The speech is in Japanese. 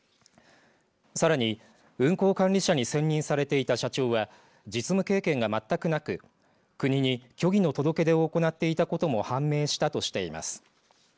さらに、運航管理者に選任されていた社長は実務経験が全くなく国に虚偽の届け出を行っていたことも反映したとしています。